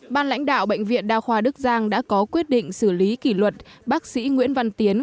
ban lãnh đạo bệnh viện đa khoa đức giang đã có quyết định xử lý kỷ luật bác sĩ nguyễn văn tiến